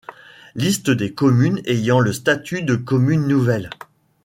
Liste des communes ayant le statut de commune nouvelle.